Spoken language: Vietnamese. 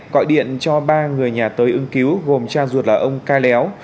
và gọi điện cho ba người nhà tới ứng cứu gồm cha ruột là ông ca léo